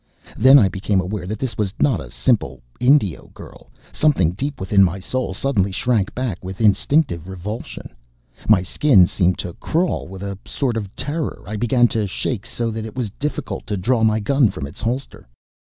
Then I became aware that this was not a simple Indio girl. Something deep within my soul suddenly shrank back with instinctive revulsion. My skin seemed to crawl with a sort of terror. I began to shake so that it was difficult to draw my gun from its holster.